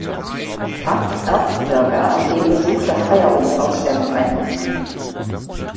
Tag des Erzgebirger und dem Besuch der Feierohmd-Ausstellung einberufen.